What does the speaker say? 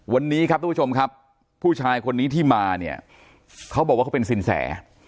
วันนี้ครับทุกผู้ชมครับผู้ชายคนนี้ที่มาเนี่ยเขาบอกว่าเขาเป็นสินแส